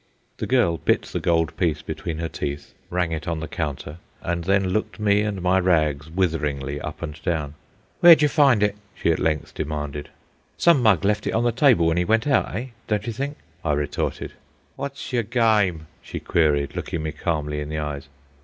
The girl bit the gold piece between her teeth, rang it on the counter, and then looked me and my rags witheringly up and down. "Where'd you find it?" she at length demanded. "Some mug left it on the table when he went out, eh, don't you think?" I retorted. "Wot's yer gyme?" she queried, looking me calmly in the eyes.